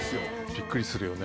びっくりするよね。